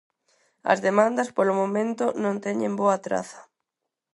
As demandas, polo momento, non teñen boa traza.